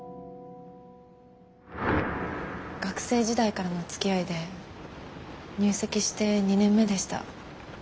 学生時代からのつきあいで入籍して２年目でした。